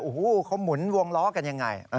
โอ้โฮเขามุนวงล้อกันอย่างไร